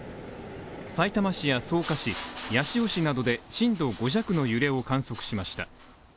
さいたま市や草加市、八潮市などで震度５弱の揺れを観測しました。